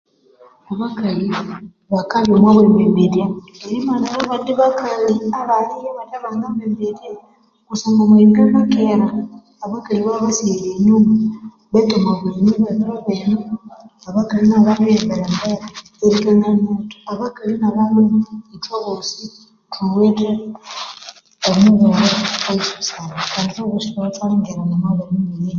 Abakali bakabya omwa bwembembethya erimanira abandi bakali abathe banga mbembethya kusangwa omwa Uganda kera abakali babya obabiri sighalira enyuma, betu omwa bulemi obwe biro bino abakali nabo babiri yibera embere abakali na balhume